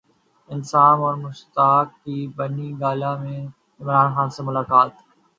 انضمام اور مشتاق کی بنی گالا میں عمران خان سے ملاقات